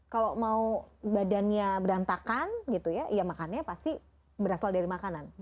kalau mau badannya berantakan gitu ya makannya pasti berasal dari makanan